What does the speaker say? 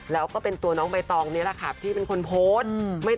แล้วก็เป็นตัวน้องใบตองนี่แหละค่ะที่เป็นคนโพสต์